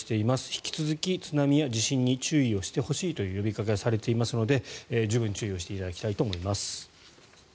引き続き津波や地震に注意をしてほしいという呼びかけがされていますので十分に注意をしていただきたいと思います。